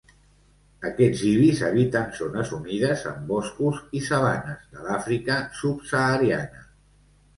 Aquests ibis habiten zones humides en boscos i sabanes, de l'Àfrica subsahariana.